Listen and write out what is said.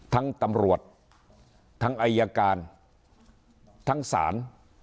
ตำรวจทั้งอายการทั้งศาล